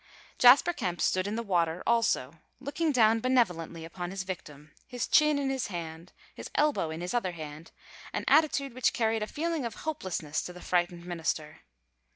Jasper Kemp stood in the water, also, looking down benevolently upon his victim, his chin in his hand, his elbow in his other hand, an attitude which carried a feeling of hopelessness to the frightened minister.